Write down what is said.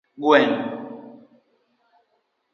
Gweng'